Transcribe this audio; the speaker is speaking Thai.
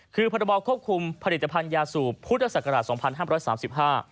คือประบอบควบคุมผลิตภัณฑ์ยาสูบพุทธศักราช๒๕๓๕